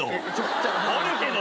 おるけど。